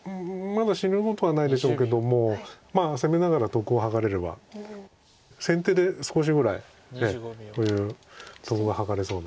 まだ死ぬことはないでしょうけども攻めながら得を図れれば先手で少しぐらいという得が図れそうな。